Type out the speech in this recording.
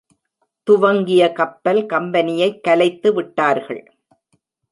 துவங்கிய கப்பல் கம்பெனியைக் கலைத்து விட்டார்கள்.